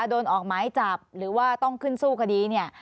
โดนออกหมายจับหรือว่าต้องขึ้นสู้คดีเนี่ย